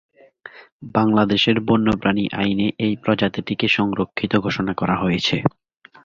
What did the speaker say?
বাংলাদেশের বন্যপ্রাণী আইনে এ প্রজাতিটিকে সংরক্ষিত ঘোষণা করা হয়েছে।